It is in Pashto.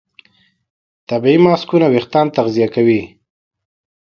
طبیعي ماسکونه وېښتيان تغذیه کوي.